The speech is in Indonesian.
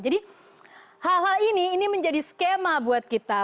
jadi hal hal ini menjadi skema buat kita